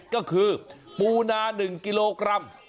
ก็คือปูนา๑กิโลกรัม